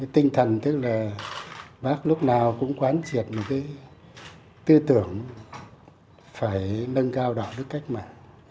tinh thần tức là bác lúc nào cũng quán triệt cái tư tưởng phải nâng cao đạo đức cách mạng